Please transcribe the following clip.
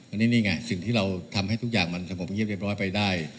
อันนี้นี่ไงสิ่งที่เราทำให้ทุกอย่างมันสงบเงียบเรียบร้อยไปได้